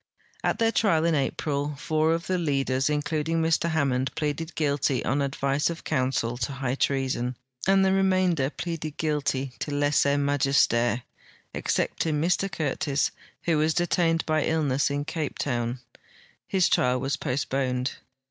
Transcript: At their trial, in April, four of the leaders,* including Mr Hammond, pleaded guilt}", on advice of counsel, to higli treason, and the remainder pleaded guilty to lese majeste,t excepting Mr Curtis, who was detained by illness in Cape Town. His trial was postponed.